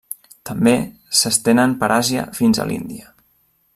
També s'estenen per Àsia fins a l'Índia.